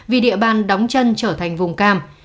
vì địa bàn đóng chân trở thành vùng cam